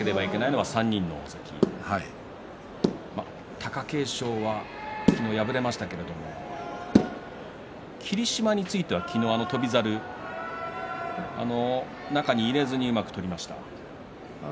貴景勝は昨日敗れましたが霧島については昨日は翔猿中に入れずにうまく取りました。